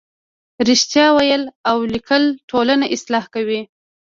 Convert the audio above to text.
رښتیا ویل او لیکل ټولنه اصلاح کوي.